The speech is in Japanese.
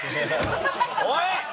おい！